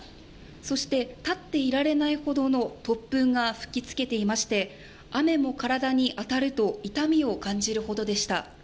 そして、立っていられないほどの突風が吹きつけていまして雨も体に当たると痛みを感じるほどでした。